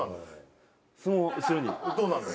どうなるの？